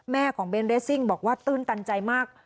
แม่ของเบนเรสซิ่งบอกว่าตื้นตันใจมาก